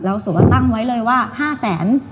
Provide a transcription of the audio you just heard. แล้วส่วนตั้งไว้เลยว่า๕แสน